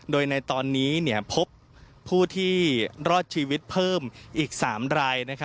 โดยในตอนนี้พบผู้ที่รอดชีวิตเพิ่มอีก๓ราย